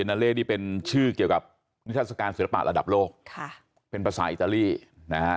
นาเล่นี่เป็นชื่อเกี่ยวกับนิทัศกาลศิลปะระดับโลกค่ะเป็นภาษาอิตาลีนะฮะ